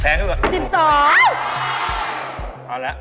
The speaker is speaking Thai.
เอาละ